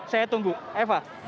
saya tunggu eva